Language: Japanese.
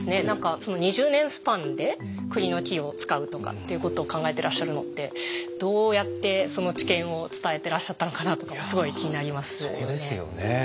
何か２０年スパンでクリの木を使うとかっていうことを考えてらっしゃるのってどうやってその知見を伝えてらっしゃったのかなとかもすごい気になりますよね。